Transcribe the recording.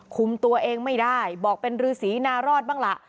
คุมตัวเองไม่ได้บอกเป็นรือสีนารอดบ้างล่ะ